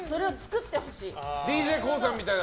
ＤＪＫＯＯさんみたいな。